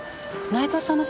内藤さんは。